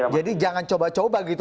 jadi jangan coba coba gitu